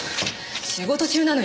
仕事中なのよ。